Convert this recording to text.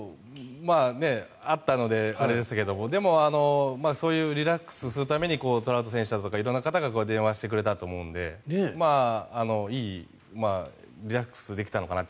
まあね、あったのであれでしたけどでもそういうリラックスするためにトラウト選手だとか色々な方が電話してくれたと思うのでリラックスできたのかなと。